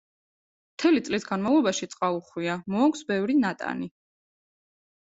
მთელი წლის განმავლობაში წყალუხვია, მოაქვს ბევრი ნატანი.